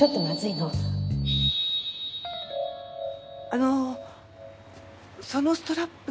あのそのストラップ。